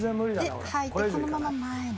で吐いてこのまま前に。